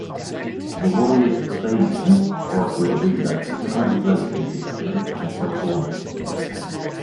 The Warrior's stadium, Oracle Arena, is currently located in Oakland, California.